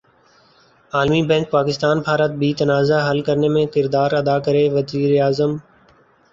عالمی بینک پاکستان بھارت بی تنازعہ حل کرنے میں کردار ادا کرے وزیراعظم